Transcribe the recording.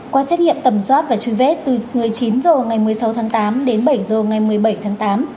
qua xét nghiệm tầm soát và truy vết từ một mươi chín h ngày một mươi sáu tháng tám đến bảy h ngày một mươi bảy tháng tám